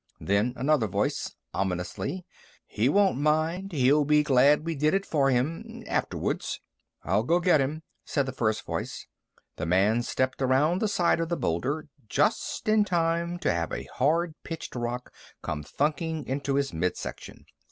Then another voice ominously. "He won't mind. He'll be glad we did it for him afterwards." "I'll go get him," said the first voice. The man stepped around the side of the boulder just in time to have a hard pitched rock come thunking into his midsection.